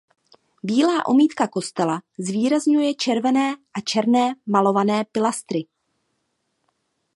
Bílá omítka kostela zvýrazňuje červené a černé malované pilastry.